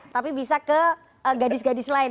tapi bisa ke gadis gadis lain